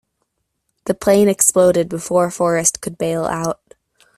The plane exploded before Forrest could bail out.